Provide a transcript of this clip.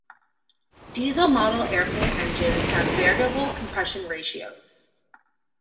"Diesel" model airplane engines have variable compression ratios.